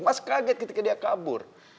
mas kaget ketika dia kabur